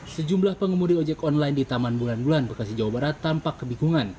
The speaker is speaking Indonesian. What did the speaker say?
sejumlah pengemudi ojek online di taman bulan bulan bekasi jawa barat tampak kebingungan